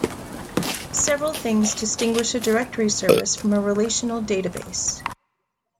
Several things distinguish a directory service from a relational database.